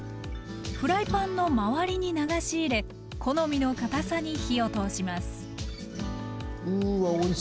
フライパンの周りに流し入れ好みのかたさに火を通します。